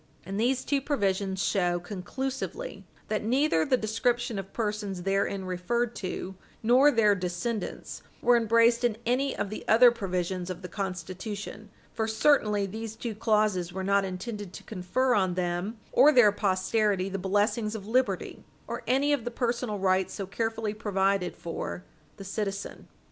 And these two provisions show conclusively that neither the description of persons therein referred to nor their descendants were embraced in any of the other provisions of the Constitution, for certainly these two clauses were not intended to confer on them or their posterity the blessings of liberty, or any of the personal rights so carefully provided for the citizen.